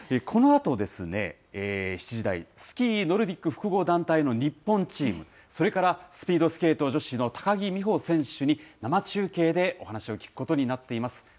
このあと７時台、スキーノルディック複合団体の日本チーム、それからスピードスケート女子の高木美帆選手に、生中継でお話を聞くことになっています。